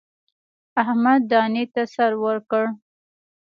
احمد دانې ته سر ورکړ.